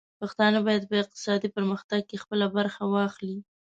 پښتانه بايد په اقتصادي پرمختګ کې خپله برخه واخلي.